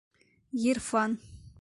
Ғирфан!